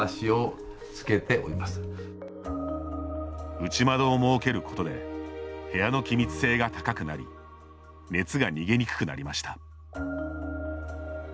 内窓を設けることで部屋の気密性が高くなり熱が逃げにくくなりました。